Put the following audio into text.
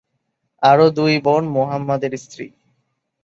আরো দুই বোন মুহাম্মাদ এর স্ত্রী।